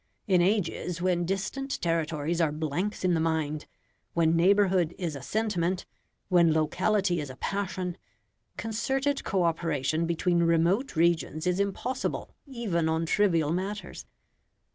In ages when distant territories are blanks in the mind, when neighbourhood is a sentiment, when locality is a passion, concerted co operation between remote regions is impossible even on trivial matters.